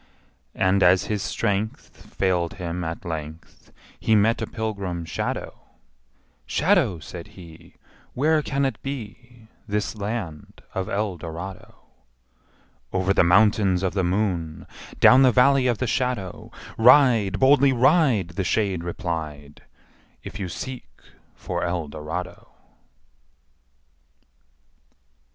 And, as his strength Failed him at length, He met a pilgrim shadow: ``Shadow,'' says he, ``Where can it be, This land of Eldorado?'' Over the Mountains Of the Moon, Down the Valley of the Shadow, Ride, boldly ride,'' The shade replied, ``If you seek for Eldorado!''